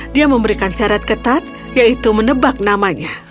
dia memberikan syarat ketat yaitu menebak namanya